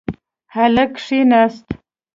هلک کښېناست.